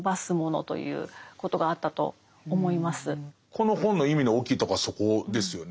この本の意味の大きいとこはそこですよね。